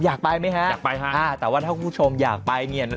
อยากไปไหมฮะอยากไปฮะอ่าแต่ว่าถ้าคุณผู้ชมอยากไปเนี่ย